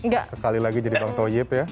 sekali lagi jadi bang tojeb ya